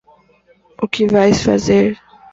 O que vais fazer?